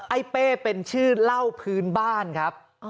เป้เป็นชื่อเหล้าพื้นบ้านครับ